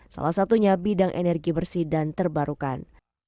salah satunya bidang energi bersih dan terbarukan